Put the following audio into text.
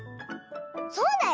そうだよ。